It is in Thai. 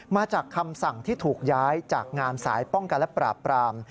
มาจากคำสั่งที่ถูกย้ายจากงานสายป้องกันและปราบปราม